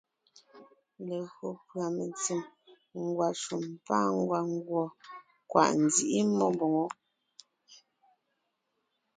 Legÿo pʉ́a mentsèm, ngwàshùm pâ ngwàngùɔ, kwàʼ nzíʼi mmó mbòŋo.